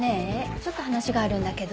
ちょっと話があるんだけど。